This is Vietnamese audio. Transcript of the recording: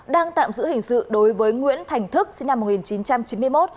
đang tạm giữ hình sự đối với nguyễn thành thức sinh năm một nghìn chín trăm chín mươi một